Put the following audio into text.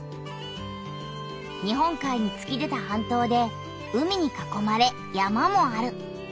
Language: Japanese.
日本海につき出た半島で海にかこまれ山もある。